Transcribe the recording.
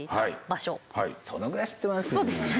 そのぐらい知ってますよ。